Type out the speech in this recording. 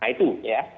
nah itu ya